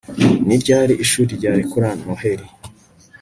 Ni ryari ishuri ryarekura Noheri